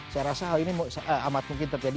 saya rasa hal ini amat mungkin terjadi